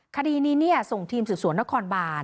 คดีนี้เนี่ยส่งทีมสืบสวนตครบ